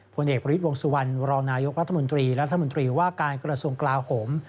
ผู้เอกประวิทย์วงศุวรรณรนรัฐมนตรีรัฐมนตรีว่าการกรสวงศ์กลาโหม